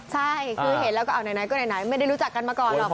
ใช่คือเห็นแล้วก็เอาไหนก็ไหนไม่ได้รู้จักกันมาก่อนหรอก